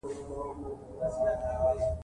غزني د افغانستان د اجتماعي جوړښت برخه ده.